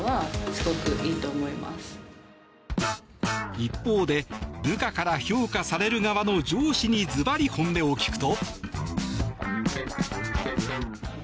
一方で部下から評価される側の上司にズバリ本音を聞くと。